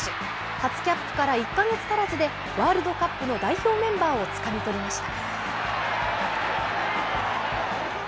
初キャップから１か月足らずでワールドカップの代表メンバーをつかみ取りました。